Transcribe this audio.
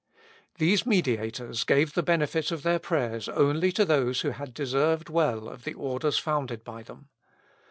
These mediators gave the benefit of their prayers only to those who had deserved well of the orders founded by them.